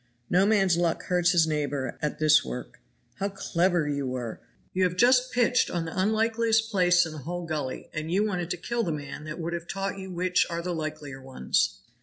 No man's luck hurts his neighbor at this work; how clever you were, you have just pitched on the unlikeliest place in the whole gulley, and you wanted to kill the man that would have taught you which are the likelier ones.